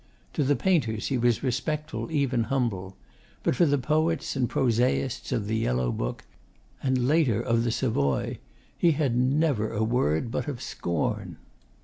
To the painters he was respectful, even humble; but for the poets and prosaists of 'The Yellow Book,' and later of 'The Savoy,' he had never a word but of scorn.